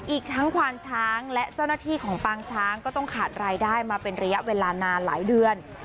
อีกทั้งควานช้างและเจ้าหน้าที่ของปางช้างก็ต้องขาดรายได้มาเป็นระยะเวลานานหลายเดือน